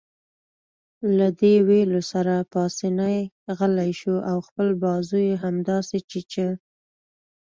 له دې ویلو سره پاسیني غلی شو او خپل بازو يې همداسې چیچه.